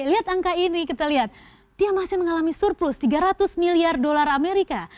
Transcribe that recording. lihat angka ini kita lihat dia masih mengalami surplus tiga ratus miliar dolar amerika